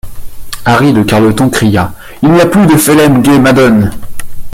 Harry de Carleton cria: — Il n’y a plus de Phelem-ghe-madone.